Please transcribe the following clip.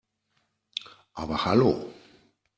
Aber hallo!